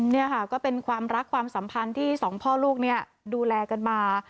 นี่ค่ะก็เป็นความรักความสัมพันธ์ที่สองพ่อลูกเนี่ยดูแลกันมา